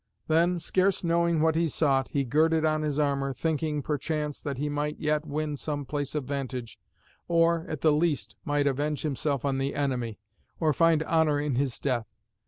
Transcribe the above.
Then, scarce knowing what he sought, he girded on his armour, thinking, perchance, that he might yet win some place of vantage, or, at the least, might avenge himself on the enemy, or find honour in his death.